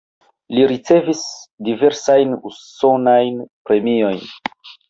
Li ricevis diversajn usonajn premiojn.